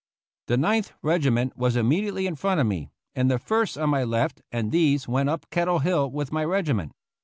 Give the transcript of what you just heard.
The Ninth Regiment was immediately in front of me, and the First on my left, and these went up Kettle Hill with my regiment.